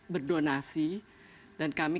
berdonasi dan kami